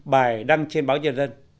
bài đăng trên báo nhân dân